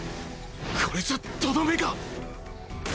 これじゃとどめが。